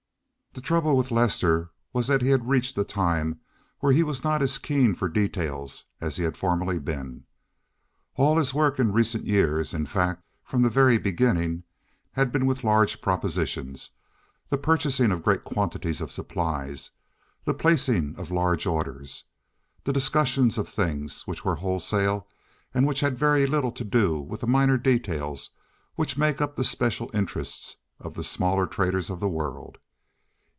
The trouble with Lester was that he had reached the time where he was not as keen for details as he had formerly been. All his work in recent years—in fact, from the very beginning—had been with large propositions, the purchasing of great quantities of supplies, the placing of large orders, the discussion of things which were wholesale and which had very little to do with the minor details which make up the special interests of the smaller traders of the world.